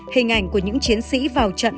hình ảnh của những chiến sĩ vào trận